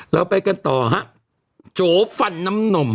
เราไปกันต่อฮะโจฟันน้ำนม